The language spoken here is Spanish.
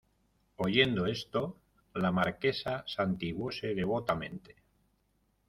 oyendo esto, la Marquesa santiguóse devotamente.